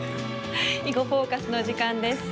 「囲碁フォーカス」の時間です。